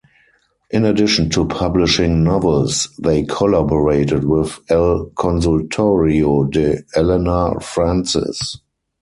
In addition to publishing novels, they collaborated with El Consultorio de Elena Francis.